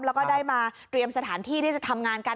แล้วก็ได้มาเตรียมสถานที่ที่จะทำงานกัน